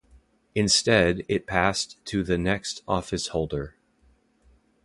Instead, it passed to the next officeholder.